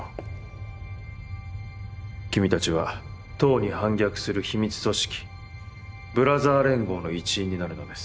君たちは党に反逆する秘密組織ブラザー連合の一員になるのです。